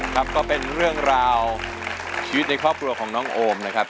ครับก็เป็นเรื่องราวชีวิตในครอบครัวของน้องโอมนะครับ